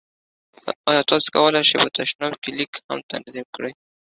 ایا تاسو کولی شئ په تشناب کې لیک هم تنظیم کړئ؟